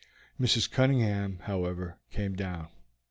Mrs. Cunningham, however, came down.